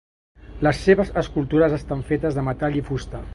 Les seves escultures estan fetes de metall i fusta.